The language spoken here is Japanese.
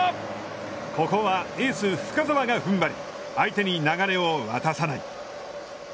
ここはエース深沢が踏ん張り相手に流れを渡さない。